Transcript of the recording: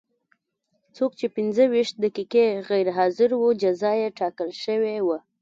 څوک چې پنځه ویشت دقیقې غیر حاضر و جزا یې ټاکل شوې وه.